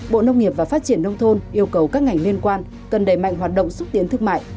bộ nông nghiệp và phát triển nông thôn yêu cầu các ngành liên quan cần đẩy mạnh hoạt động xúc tiến thương mại